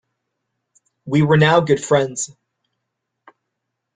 We were now good friends.